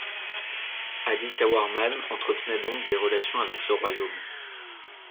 Adityawarman entretenait donc des relations avec ce royaume.